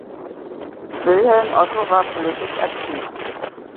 Wilhelm Otto war politisch aktiv.